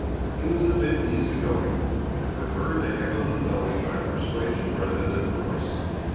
He was a bit easy going, and preferred to handle the fellows by persuasion rather than force.